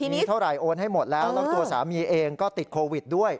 มีเท่าไหร่โอนให้หมดแล้วแล้วตัวสามีเองก็ติดโควิดด้วย